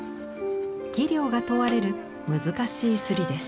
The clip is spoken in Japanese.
技量が問われる難しい摺りです。